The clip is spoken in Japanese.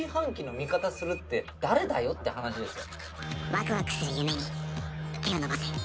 ワクワクする夢に手を伸ばせ。